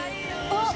あっ！